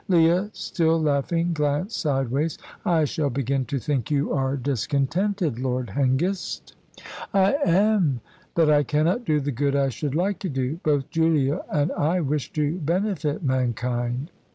Leah, still laughing, glanced sideways. "I shall begin to think you are discontented, Lord Hengist." "I am, that I cannot do the good I should like to do. Both Julia and I wish to benefit mankind."